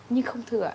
nhưng không thừa